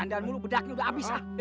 dandan mulu bedaknya udah abis ah